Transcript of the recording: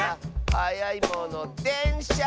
「はやいものでんしゃ！」